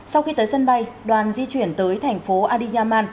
sau khi tới sân bay đoàn di chuyển tới thành phố adiyaman